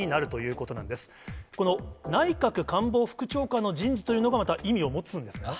この内閣官房副長官の人事というのが、また意味を持つんですよね。